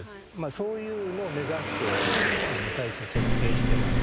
そういうのを目指して最初設計してますね。